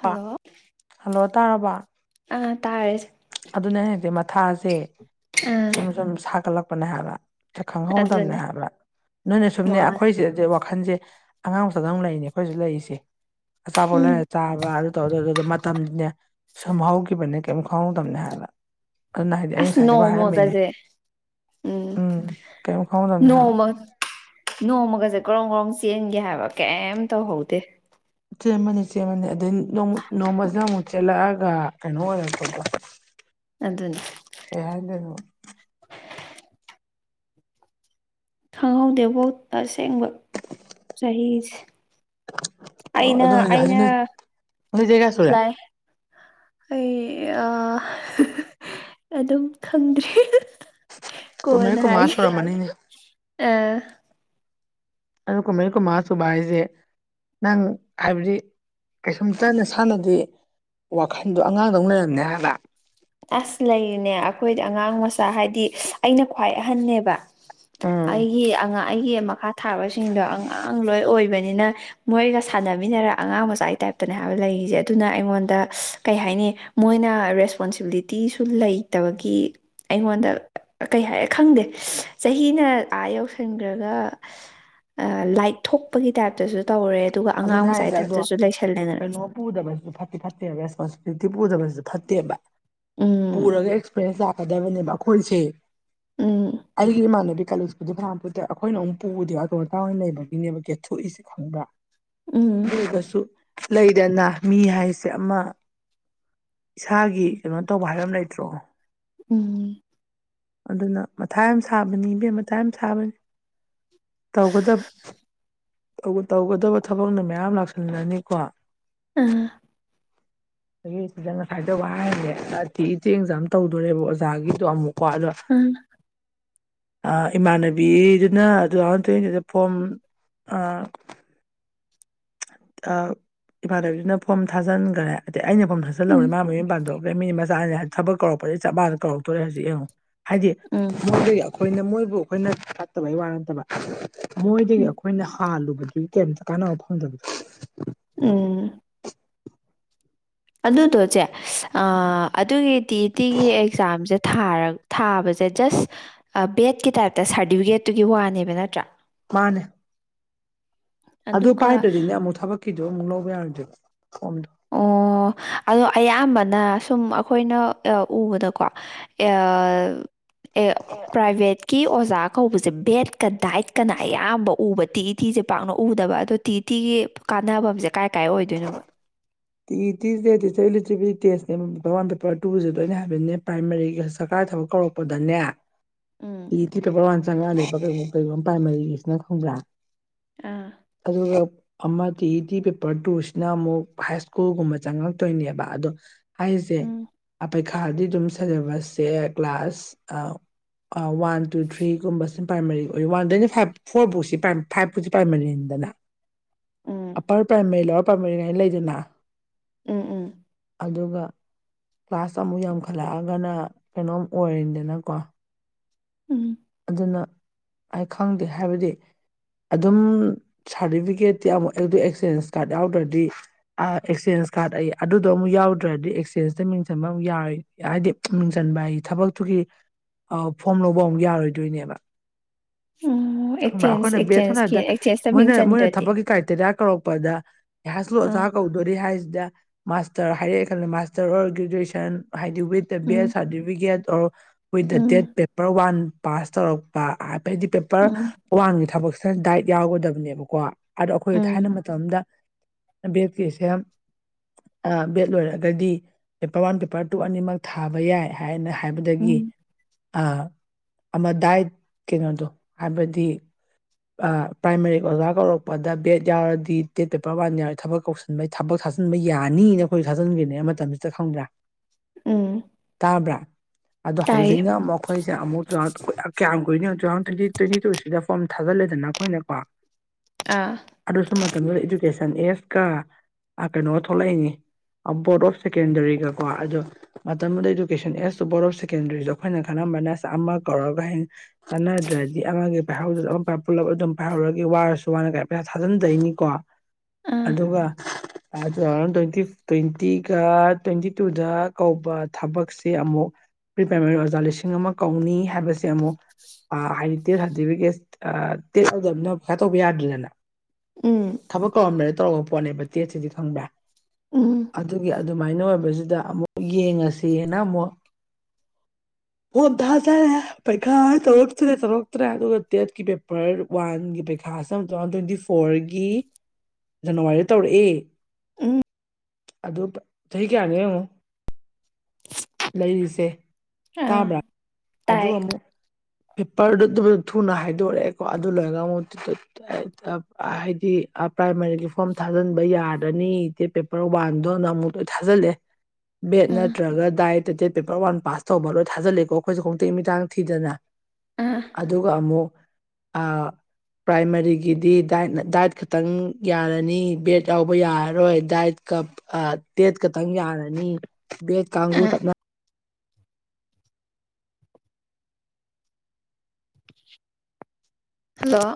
hello hello ꯇꯥꯔꯕꯣ ꯑꯥ ꯇꯥꯔꯦꯁꯦ ꯑꯗꯨꯅꯦ ꯑꯩ ꯍꯥꯏꯗꯤ ꯃꯊꯥꯁꯦ ꯑꯥ ꯁꯨꯝ ꯁꯨꯝ ꯁꯥꯒꯠꯂꯛꯄꯅꯦ ꯍꯥꯏꯕ ꯀ ꯈꯪꯍꯧꯗꯝꯅꯦ ꯑꯗꯨꯅꯦ ꯍꯥꯏꯕ ꯅꯣꯏꯅ ꯁꯨꯝꯅꯦ ꯑꯈꯣꯏ ꯁꯤꯗꯗꯤ ꯋꯥꯈꯟꯁꯦ ꯑꯉꯥꯡꯃꯆꯥꯗꯧ ꯂꯩꯅꯦ ꯑꯈꯣꯏꯖꯤꯛ ꯂꯩꯔꯤꯖꯦ ꯑꯆꯥꯄꯣꯠ ꯂꯩꯔ ꯎꯝ ꯆꯥꯕ ꯑꯗꯨ ꯇꯧꯔ [unintelligible] ꯃꯇꯝ ꯁꯨꯝꯍꯧꯒꯤꯕꯅꯦ ꯀꯦꯝ ꯈꯪꯍꯧꯗꯝꯅꯦ ꯍꯥꯏꯕ ꯑꯗꯨꯅ ꯍꯥꯏꯗꯤ ꯑꯩ ꯑꯁ ꯉꯁꯥꯏꯗꯩꯕꯥꯎ ꯍꯥꯏꯔꯝꯃꯤꯅꯤ ꯅꯣꯡꯃꯒꯁꯦ ꯎꯝ ꯍꯥꯏꯕ ꯅꯣꯡꯃ ꯅꯣꯡꯃꯒꯖꯦ ꯒ꯭ꯔꯣꯡ ꯒ꯭ꯔꯣꯡ ꯆꯦꯟꯒꯤ ꯍꯥꯏꯕ ꯀꯩꯝ ꯇꯧꯍꯧꯗꯦ ꯆꯦꯟꯕꯅꯦ ꯆꯦꯟꯕꯅꯦ ꯑꯗꯩ ꯅꯣꯡꯃ ꯅꯣꯡꯃꯖ꯭ꯅ ꯑꯃꯨꯛ ꯆꯦꯜꯂꯛꯑꯒ ꯀꯅꯣ ꯑꯣꯏꯔꯛꯄꯀꯣ ꯑꯗꯨꯅꯤ ꯈꯪꯍꯧꯗꯦꯕꯣ ꯇꯁꯦꯡꯕ ꯆꯍꯤꯁꯦ ꯑꯩꯅ ꯑꯗꯣ ꯍꯧꯖꯤꯛ ꯍꯧꯖꯤꯛ ꯑꯩꯅ ꯅꯣꯏ ꯅꯣꯏ ꯆꯍꯤ ꯀꯌꯥ ꯁꯨꯔꯦ ꯂꯥꯏ ꯑꯩ ꯑ ꯍ ꯍ ꯑꯗꯨꯝ ꯈꯪꯗ꯭ꯔꯦ ꯍꯤꯍꯤ ꯀꯨꯟꯃꯔꯤ ꯀꯣꯟꯅ ꯀꯨꯟꯃꯉꯥ ꯍꯥꯏꯒꯦ ꯁꯨꯔꯝꯃꯅꯤꯅꯦ ꯑ ꯑꯗꯨ ꯀꯨꯟꯃꯔꯤ ꯀꯨꯟꯃꯉꯥ ꯁꯨꯕ ꯍꯥꯏꯖꯦ ꯅꯪ ꯍꯥꯏꯕꯗꯤ ꯀꯩꯁꯨꯝꯇ ꯅꯁꯥꯥꯅꯗꯤ ꯋꯥꯈꯟꯗꯣ ꯑꯉꯥꯡꯗꯧ ꯂꯩꯔꯝꯅꯦ ꯍꯥꯏꯕ ꯑ꯭ꯁ ꯂꯩꯔꯤꯅꯦ ꯑꯈꯣꯏꯗ ꯑꯉꯥꯡ ꯃꯆꯥ ꯍꯥꯏꯗꯤ ꯑꯩꯅ ꯈ꯭ꯋꯥꯏ ꯑꯍꯟꯅꯦꯕ ꯑꯩꯒꯤ ꯑꯉꯥꯡ ꯑꯩꯒꯤ ꯃꯈꯥ ꯊꯥꯕꯁꯤꯡꯗꯣ ꯑꯉꯥꯡ ꯂꯣꯏ ꯑꯣꯏꯕ ꯅꯤꯅ ꯃꯣꯏꯒ ꯁꯥꯟꯅꯃꯤꯟꯅꯔꯥ ꯑꯉꯥꯡꯃꯆꯥꯏ ꯇꯥ꯭ꯏꯞꯇꯅꯦ ꯍꯥꯏꯕ ꯂꯩꯔꯤꯖꯦ ꯑꯗꯨꯅ ꯑꯩꯉꯣꯟꯗ ꯀꯩ ꯍꯥꯏꯅꯤ ꯃꯣꯏꯅ ꯔꯦꯁꯄꯣꯟꯁꯤꯕꯤꯂꯤꯇꯤꯁꯨ ꯂꯩꯇꯕꯒꯤ ꯑꯩꯉꯣꯟꯗ ꯀꯩ ꯍꯥꯏꯔ ꯈꯪꯗꯦ ꯆꯍꯤꯅ ꯑꯥ ꯌꯧꯁꯟꯒ꯭ꯔꯒ ꯑ ꯂꯥꯏꯠ ꯊꯣꯛꯄꯒꯤ ꯇꯥꯏꯞꯇꯖꯨ ꯇꯧꯔꯦ ꯑꯗꯨꯒ ꯑꯉꯥꯡ ꯑꯗꯨꯅꯦ ꯃꯆꯥꯒꯤ ꯍꯥꯏꯖꯦ ꯑꯗꯣ ꯇꯥꯏꯞꯇꯁꯨ ꯂꯩꯁꯜꯂꯦꯗꯅ ꯀꯩꯅꯣ ꯄꯨꯗꯕꯖꯤꯖꯨ ꯐꯠꯇꯤ ꯐꯠꯇꯦꯕ ꯔꯦꯁꯄꯣꯟꯁꯤꯕꯤꯂꯤꯇꯤ ꯄꯨꯗꯕꯖꯤꯖꯨ ꯐꯠꯇꯦꯕ ꯎꯝ ꯄꯨꯔꯒ ꯑꯦꯛꯁꯄ꯭ꯔꯦꯟꯁ ꯂꯥꯛꯀꯗꯕꯅꯦꯕ ꯑꯈꯣꯏꯖꯦ ꯎꯝ ꯑꯩꯒꯤ ꯏꯃꯥꯟꯅꯕꯤ [unintelligible] ꯑꯈꯣꯏꯅ ꯃꯨꯛ ꯄꯨꯗꯦ ꯑꯇꯣ ꯑꯇꯥꯡ ꯑꯣꯏꯅ ꯂꯩꯕꯒꯤꯅꯦꯕ ꯀꯦꯊꯣꯛꯢꯁꯦ ꯈꯪꯕ꯭ꯔꯥ ꯎꯝ [unintelligible] ꯂꯩꯗꯅ ꯃꯤ ꯍꯥꯏꯁꯦ ꯑꯃ ꯏꯁꯥꯒꯤ ꯀꯅꯣ ꯇꯧꯕ ꯍꯥꯏꯕ ꯑꯝ ꯂꯩꯇ꯭ꯔꯣ ꯎꯝ ꯑꯗꯨꯅ ꯃꯊꯥ ꯌꯥꯝ ꯁꯥꯕꯅꯤ ꯏꯕꯦꯝꯃ ꯃꯊꯥ ꯌꯥꯝ ꯁꯥꯕꯅꯤ ꯇꯧꯒꯗ꯭ꯕ ꯇꯧꯕꯨ ꯇꯧꯒꯗꯕ ꯊꯕꯛꯅ ꯃꯌꯥꯝ ꯂꯥꯛꯁꯜꯂꯅꯤꯀꯣ ꯑꯥ ꯑꯗꯒꯤ ꯁꯤꯗ ꯉꯁꯥꯏ ꯇꯧꯕ ꯍꯥꯏꯁꯦ ꯑ [unintelligible] ꯑꯦꯛꯖꯥꯝ ꯇꯧꯗꯣꯔꯦꯕ ꯑꯣꯖꯥꯒꯤꯗꯣ ꯑꯃꯨꯛ ꯄ꯭ꯋꯥꯗꯣ ꯑ ꯑ ꯏꯃꯥꯟꯅꯕꯤꯗꯨꯅ ꯗꯨꯅ ꯇꯨꯊꯥꯎꯖꯟ ꯇ꯭ꯨꯋꯦꯟꯇꯤꯇꯨꯗ ꯐꯣꯝ ꯑꯥ ꯏꯃꯥꯟꯅꯕꯤꯗꯨꯅ ꯐꯣꯝ ꯊꯥꯖꯤꯟꯒ꯭ꯔꯦ ꯑꯗꯩ ꯑꯩꯅ ꯐꯣꯝ ꯊꯥꯖꯜꯍꯧꯔꯦ ꯎꯝ ꯃꯥꯥꯅ ꯃꯌꯨꯝ ꯄꯥꯟꯊꯣꯛ ꯗꯩ ꯃꯤ ꯃꯆꯥꯅꯤ ꯍꯥꯏ ꯊꯕꯛ ꯀꯧꯔꯛꯄ ꯆꯞ ꯃꯥꯟꯅ ꯀꯧꯔꯛꯇꯣꯔꯦ ꯍꯧꯖꯤꯛ ꯌꯦꯡꯉꯨ ꯍꯥꯏꯗꯤ ꯎꯝ ꯃꯣꯏꯗꯒꯤ ꯑꯈꯣꯏ ꯑꯩꯈꯣꯏꯅ ꯃꯣꯏꯕꯨ ꯑꯩꯈꯣꯏꯅ ꯐꯠꯇꯕꯩ ꯋꯥ ꯅꯠꯇꯕ ꯃꯣꯏꯗꯒꯤ ꯑꯩꯈꯣꯏꯅ ꯍꯥꯥꯜꯂꯨꯕꯒꯤ ꯀꯦꯝꯇ ꯀꯥꯟꯅꯕ ꯐꯪꯗꯕꯗꯣ ꯑꯗꯨꯗꯣꯆꯦ ꯑꯗꯨꯒꯤ ꯇꯤ ꯏꯇꯤꯒꯤ ꯑꯦꯛꯖꯥꯝꯁꯦ ꯊꯥꯔ ꯊꯥꯕꯁꯦ ꯖꯁ ꯕꯦꯠꯀꯤ ꯇꯥꯏꯞꯇ ꯁꯥꯔꯇꯤꯐꯤꯀꯦꯠꯇꯨꯒꯤ ꯋꯥꯅꯦꯕ ꯅꯠꯇ꯭ꯔꯥ ꯃꯥꯅꯦ ꯑꯗꯨ ꯑꯗꯨꯒ ꯄꯥꯏꯗ꯭ꯔꯗꯤꯅꯦ ꯑꯃꯨꯛ ꯊꯕꯛꯀꯤꯗꯣ ꯑꯃꯨꯛ ꯂꯧꯕ ꯌꯥꯔꯣꯏꯗꯣꯏꯕ ꯐꯣꯝ ꯑꯣ ꯑꯣ ꯑꯗꯣ ꯑꯌꯥꯝꯕꯅ ꯁꯨꯝ ꯑꯩꯈꯣꯏꯅ ꯑ ꯎꯕꯗꯀꯣ ꯑꯦ ꯑꯦ ꯄ꯭ꯔꯥꯏꯚꯦꯠꯀꯤ ꯑꯣꯖꯥ ꯀꯧꯕꯁꯦ ꯕꯦꯠꯀ ꯗꯥꯏꯠꯀꯅ ꯑꯌꯥꯝꯕ ꯎꯕ ꯇꯤ ꯏꯇꯤꯁꯦ ꯄꯥꯛꯅ ꯎꯗꯕ ꯑꯗꯣ ꯇꯤ ꯏ ꯇꯤꯒꯤ ꯀꯥꯟꯅꯐꯝꯁꯦ ꯀꯥꯏ ꯀꯥꯏ ꯑꯣꯏꯗꯣꯏꯅꯣꯕ [unintelligible] ꯇꯦꯁꯅꯦ ꯃꯃꯥꯡꯗ ꯄꯥꯔꯠ ꯇꯨꯁꯦ ꯗꯣꯏꯅꯦ ꯍꯥꯏꯕꯗꯤꯅꯦ ꯄ꯭ꯔꯥꯝꯃꯔꯤꯒꯤ ꯁꯔꯀꯥꯔ ꯀꯥꯏ ꯊꯕꯛ ꯀꯧꯔꯛꯄꯗꯅꯦ ꯎꯝ ꯇꯤ ꯏꯇꯤ ꯇꯣꯄꯔ ꯋꯥꯟ ꯆꯪꯉꯛꯅꯦꯕ ꯀꯩꯒꯨꯝ [unintelligible] ꯄ꯭ꯔꯥꯏꯃꯔꯤꯁꯤꯅ ꯈꯪꯕ꯭ꯔꯥ ꯑꯥ ꯑꯗꯨꯒ ꯑꯃ ꯇꯤ ꯏꯇꯤ ꯄꯦꯄꯔ ꯇꯨꯁꯤꯅ ꯑꯃꯨꯛ ꯍꯥꯏꯁ ꯀꯨꯜꯒꯨꯝꯕ ꯆꯪꯉꯛꯇꯣꯏꯅꯦꯕ ꯑꯗꯣ ꯍꯥꯏꯁꯦ ꯎꯝ [unintelligible] ꯈꯥꯗꯤ ꯑꯗꯨꯝ ꯁꯦꯂꯦꯕꯁꯁꯦ ꯀ꯭ꯂꯥꯁ ꯑꯥ ꯋꯥꯟ ꯇꯨ ꯊ꯭ꯔꯤꯒꯨꯝꯕꯁꯤꯅ ꯄ꯭ꯔꯥꯏꯃꯥꯔꯤ ꯑꯣꯏ ꯋꯥꯟ ꯗꯩꯅ ꯐꯥꯏꯚ ꯐꯣꯔ ꯕꯨꯁꯤ ꯄ꯭ꯔꯥꯏꯝ ꯐꯥꯏꯚꯨꯁꯤ ꯄ꯭ꯔꯥꯏꯝꯃꯔꯤ ꯗꯅ ꯎꯝ ꯑꯞꯄꯔ ꯄ꯭ꯔꯥꯏꯃꯔꯤ ꯂꯋꯥꯔ ꯄ꯭ꯔꯥꯝꯃꯔꯤ ꯍꯥꯏꯅ ꯂꯩꯗꯅ ꯎꯝ ꯎꯝ ꯑꯗꯨꯒ ꯀ꯭ꯂꯥꯁ ꯑꯃꯨꯛ ꯌꯥꯝꯈꯠꯂꯛꯑꯒꯅ ꯀꯩꯅꯣꯝ ꯑꯣꯏꯔꯤꯗꯅꯀꯣ ꯎꯝ ꯑꯗꯨꯅ ꯑꯩ ꯈꯪꯗꯦ ꯍꯥꯏꯕꯗꯤ ꯑꯗꯨꯝ ꯁꯥꯔꯇꯤꯐꯤꯀꯦꯠꯇꯤ ꯑꯃꯨꯛ ꯑꯩꯗ ꯑꯦꯛꯆꯦꯟꯖ ꯀꯥꯔꯗ ꯌꯥꯎꯗ꯭ꯔꯗꯤ ꯑꯥ ꯑꯦꯛꯆꯦꯟꯖ ꯍꯦꯟꯁꯀꯥꯔꯗ ꯑꯩ ꯑꯗꯨꯗꯣ ꯑꯃꯨꯛ ꯌꯥꯎꯗ꯭ꯔꯗꯤ ꯑꯦꯛꯁꯆꯦꯟꯖꯇ ꯃꯤꯡꯆꯟꯕ ꯑꯃꯨꯛ ꯌꯥꯏ ꯍꯥꯏꯗꯤ ꯃꯤꯡꯆꯟꯕ ꯍꯥꯏ ꯊꯕꯛꯇꯨ ꯒꯤ ꯐꯣꯝ ꯂꯧꯕ ꯑꯃꯨꯛ ꯌꯥꯔꯣꯏꯗꯣꯏꯅꯦꯕ ꯎꯝ ꯈꯪꯕ꯭ꯔꯥ ꯑꯩꯈꯣꯏꯅ ꯕꯦꯠ ꯁꯝꯅ ꯍꯥꯏꯕꯗ ꯃꯤꯡ ꯃꯣꯏꯅ ꯃꯣꯏꯅ ꯆꯟꯗ꯭ꯔꯗꯤ ꯊꯕꯛꯀꯤ ꯀ꯭ꯔꯥꯏꯇꯦꯔꯤꯌꯥ ꯀꯧꯔꯛꯄꯗ ꯍꯥꯏꯁꯀꯨ꯭ꯜ ꯑꯣꯖꯥ ꯑꯥ ꯀꯧꯗꯣꯔꯤ ꯍꯥꯏꯁꯤꯗ ꯃꯥꯁꯇꯔ ꯍꯥꯏꯔꯛꯑꯦ ꯈꯜꯂ ꯃꯥꯁꯇꯔ ꯑꯣꯔ ꯒ꯭ꯔꯦꯖꯨꯑꯦꯁꯟ ꯍꯥꯏꯗꯤ with the bed um certificate or with the date um paper one pass ꯇꯧꯔꯛꯄ ꯍꯥꯏ ꯍꯥꯏꯗꯤ ꯄꯦꯄꯔ ꯎꯝ ꯋꯥꯟꯒꯤ ꯊꯕꯛꯁꯤꯅ ꯗꯥꯏꯠ ꯌꯥꯎꯒꯗꯕꯅꯦꯕꯀꯣ ꯑꯗꯣ ꯑꯩꯈꯣꯏ ꯎꯝ ꯊꯥꯏꯅ ꯃꯇꯝ ꯑꯝꯗ ꯕꯦꯠꯀꯤꯁꯦ ꯕꯦꯠ ꯂꯣꯏꯔꯒꯗꯤ ꯄꯦꯄꯔ ꯋꯥꯟ ꯄꯦꯄꯔ ꯇꯨ ꯑꯅꯤꯃꯛ ꯊꯥꯕ ꯌꯥꯏ ꯍꯥꯏꯅ ꯍꯥꯏꯕꯗꯒꯤ ꯎꯝ ꯑꯥ ꯑꯃ ꯗꯥꯏꯠ ꯀꯩꯅꯣꯗꯣ ꯍꯥꯏꯕꯗꯤ ꯄ꯭ꯔꯥꯝꯃꯥꯔꯤ ꯑꯣꯖꯥ ꯀꯧꯔꯛꯄꯗ ꯕꯦꯠ ꯌꯥꯎꯔꯗꯤ ꯗꯦꯠ ꯄꯦꯄꯔ ꯋꯥꯟ ꯌꯥꯎꯔꯦ ꯊꯕꯛ ꯀꯧꯁꯤꯟꯕꯒꯤ ꯊꯕꯛ ꯊꯥ ꯊꯥꯖꯟꯕ ꯌꯥꯅꯤꯅ ꯑꯩꯈꯣꯏ ꯊꯥꯖꯟꯒ꯭ꯔꯤꯅꯦ ꯃꯇꯝꯁꯤꯗ ꯈꯪꯕ꯭ꯔꯥ ꯎꯝ ꯇꯥꯕ꯭ꯔꯥ ꯑꯗꯣ ꯇꯥꯏꯌꯦ ꯍꯧꯖꯤꯛꯅ ꯃꯈꯣꯏꯁꯦ ꯑꯃꯨꯛ ꯇꯨ [unintelligible] ꯀ꯭ꯌꯥꯝ ꯀꯨꯏꯅꯣꯌꯣ ꯇꯨ ꯊꯥꯎꯖꯟ ꯇ꯭ꯋꯦꯟꯇꯤ ꯇ꯭ꯋꯦꯟꯇꯤ ꯇꯨꯁꯤꯗ ꯐꯣꯔꯝ ꯊꯥꯖꯤꯜꯂꯦꯗꯅ ꯑꯈꯣꯏꯅꯀꯣ ꯑꯥ ꯑꯗꯨꯁꯨ ꯃꯇꯝꯗꯨꯗ ꯏꯗꯨꯀꯦꯁꯟ ꯑꯦꯖꯀ ꯑ ꯀꯩꯅꯣꯒ ꯊꯣꯛꯂꯛꯏꯅꯤ ꯑ ꯕꯣꯔꯗ ꯑꯣꯐ ꯁꯦꯀꯦꯟꯗꯔꯤꯒꯀꯣ ꯑꯗꯨ ꯃꯇꯝꯗꯨꯗ education as to board of ꯁꯦꯀꯦꯟꯗꯔꯤꯗ ꯑꯈꯣꯏꯅ ꯈꯟꯅ ꯃꯅꯁ ꯑꯃ ꯀꯧꯔꯒ ꯍꯌꯦꯡ ꯀꯥꯟꯅꯗ꯭ꯔꯗꯤ ꯑꯃꯒꯤ ꯄꯥꯢꯍꯧꯗ꯭ꯔꯖꯨ ꯑꯝ ꯄꯨꯔꯥꯛ ꯄꯨꯜꯂꯞ ꯑꯗꯨꯝ ꯄꯥꯏꯍꯧꯔꯒꯦ ꯋꯥꯔꯁꯨ ꯋꯥꯅ ꯒꯥꯢ ꯄꯩꯁꯥ ꯊꯥꯖꯤꯟꯗꯩꯅꯤꯀꯣ ꯑꯥ ꯑꯗꯨꯒ ꯑꯗꯨ ꯑ ꯇꯨ ꯊꯥꯎꯖꯟ ꯇ꯭ꯋꯦꯟꯇꯤ ꯇ꯭ꯋꯦꯟꯇꯤꯒ ꯇ꯭ꯋꯦꯟꯇꯤ ꯇꯨꯗ ꯀꯧꯕ ꯊꯕꯛꯁꯦ ꯑꯃꯨꯛ ꯄ꯭ꯔꯤ ꯄ꯭ꯔꯥꯏꯃꯔꯤ ꯑꯣꯖꯥ ꯂꯤꯁꯤꯡ ꯑꯃ ꯀꯧꯅꯤ ꯍꯥꯏꯕꯁ ꯁꯦ ꯑꯃꯨꯛ ꯑ ꯍꯥꯏꯗꯤ ꯇꯦꯠ ꯁꯥꯔꯇꯤꯐꯤꯀꯦꯠ ꯑ ꯇꯦꯠ ꯌꯥꯎꯗꯝꯅꯤꯅ ꯄꯩꯈꯥ ꯇꯧꯕ ꯌꯥꯗ꯭ꯔꯤꯗꯅꯥ ꯎꯝ ꯊꯕꯛ ꯀꯧꯔꯝꯗꯥꯢꯗ ꯇꯧꯔꯕ ꯄꯣꯠꯅꯦꯕ ꯇꯦꯠꯁꯤꯗꯤ ꯈꯪꯕ꯭ꯔꯥ ꯎꯝ ꯑꯗꯨꯒꯤ ꯑꯗꯨꯃꯥꯏꯅ ꯑꯣꯏꯕꯖꯤꯗ ꯑꯃꯨꯛ ꯌꯦꯡꯉꯁꯦꯅ ꯑꯃꯨꯛ ꯐꯣꯝ ꯊꯥꯖꯜꯂꯦ ꯄꯩꯈꯥ ꯇꯧꯔꯛꯇ꯭ꯔꯦ ꯇꯧꯔꯛꯇ꯭ꯔꯦ ꯑꯗꯨꯒ ꯇꯦꯠꯀꯤ ꯄꯦꯄꯔ ꯋꯥꯟꯒꯤ ꯄꯩꯈꯥ ꯁꯝ ꯇꯨꯊꯥꯎꯖꯟ ꯇ꯭ꯋꯦꯟꯇꯤꯐꯣꯔꯒꯤ ꯖꯅꯋꯥꯔꯤꯗ ꯇꯧꯔꯛꯑꯦ ꯎꯝ ꯑꯗꯨ ꯄ ꯆꯍꯤ ꯀꯌꯥꯅꯣ ꯌꯦꯡꯉꯨ [inaudible] ꯑꯩꯖꯦ ꯑꯥ ꯇꯥꯕ꯭ꯔꯥ ꯑꯗꯨ ꯇꯥꯏ ꯑꯃꯨꯛ ꯄꯦꯄꯔꯗ ꯑꯗꯨ ꯊꯨꯅ ꯍꯥꯏꯗꯣꯔꯛꯑꯦꯀꯣ ꯑꯗꯨ ꯂꯣꯏꯔꯒ ꯑꯃꯨꯛ ꯇꯨ ꯇꯨꯠ ꯇ ꯑ ꯍꯥꯏꯗꯤ ꯑ ꯄ꯭ꯔꯥꯏꯃꯔꯤꯒꯤ ꯐꯣꯔꯝ ꯊꯥꯖꯟꯕ ꯌꯥꯔꯅꯤ ꯗꯦ ꯄꯦꯄꯔ ꯋꯥꯟꯗꯣꯅ ꯑꯃꯨꯛ ꯂꯣꯏ ꯊꯥꯖꯜꯂꯦ ꯕꯦꯠ ꯑꯥ ꯅꯠꯇ꯭ꯔꯒ ꯗꯥꯏꯠ ꯇ ꯗꯦꯠ ꯄꯦꯄꯔ ꯋꯥꯟ ꯄꯥꯁ ꯇꯧꯕ ꯂꯣꯏ ꯊꯥꯖꯤꯜꯂꯦꯀꯣ ꯑꯈꯣꯏꯖꯦ ꯈꯣꯡꯇꯦꯛ ꯃꯤꯠꯇꯥꯡ ꯊꯤꯗꯅ ꯑꯥ ꯑꯗꯨꯒ ꯑꯃꯨꯛ ꯑ ꯄ꯭ꯔꯥꯏꯃꯔꯤꯒꯤꯗꯤ ꯗꯥꯏꯠ ꯅ ꯗꯥꯏꯠ ꯈꯇꯪ ꯌꯥꯔꯅꯤ ꯕꯦꯠ ꯌꯥꯎꯕ ꯌꯥꯔꯔꯣꯏ ꯗꯥꯏꯠ ꯀꯞ ꯑ ꯇꯦꯠ ꯀꯇꯪ ꯌꯥꯔꯅꯤ ꯕꯦꯠ ꯀꯥꯡꯒꯨ ꯑꯥ ꯆꯞꯅ ꯍꯜꯂꯣ